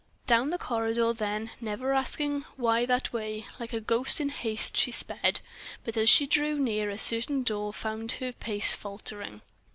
Down the corridor, then, never asking why that way, like a ghost in haste she sped, but as she drew near to a certain door found her pace faltering.